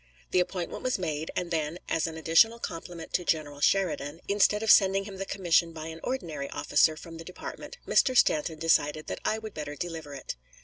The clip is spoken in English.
The appointment was made, and then, as an additional compliment to General Sheridan, instead of sending him the commission by an ordinary officer from the department, Mr. Stanton decided that I would better deliver it.